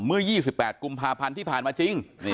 เมื่อ๒๘กุมภาพันธ์ที่ผ่านมาจริง